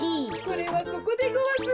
これはここでごわす。